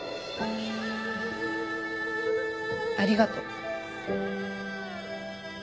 ありがとう。